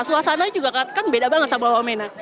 suasana juga kan beda banget sama bapak mena